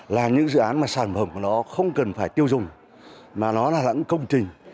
là những dự án mà sản phẩm của nó không cần phải tiêu dùng mà nó là lãng công trình